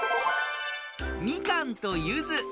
みかんとゆず。